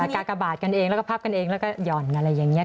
กากบาดกันเองแล้วก็พับกันเองแล้วก็หย่อนอันนี้